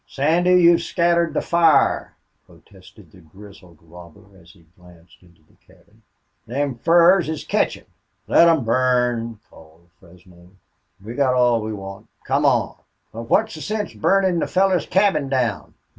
"Sandy, you've scattered the fire," protested the grizzled robber, as he glanced into the cabin. "Them furs is catchin'." "Let 'em burn!" called Fresno. "We got all we want. Come on." "But what's the sense burnin' the feller's cabin down?"